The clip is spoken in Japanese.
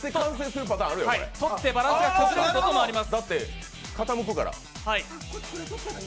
取ってバランスが崩れることもあります。